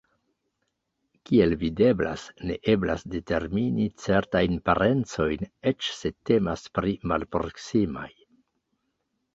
Kiel videblas, ne eblas determini certajn parencojn eĉ se temas pri malproksimaj.